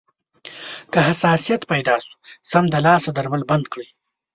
که حساسیت پیدا شو، سمدلاسه درمل بند کړئ.